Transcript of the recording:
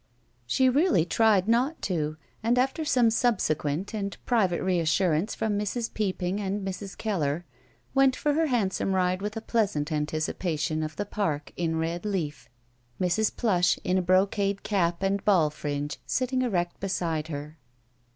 She really tried not to, and after some subsequent and private reassurance from Mrs. Peopping and Mrs. Keller, went for her hansom ride with a pleasant anticipation of the Park in red leaf, Mrs. Plush, 199 GUILTY in a brocade cape with ball fringe, sitting erect beside her.